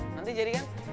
nanti jadi kan